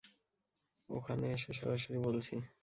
ওখানে এসে সরাসরি বলছি।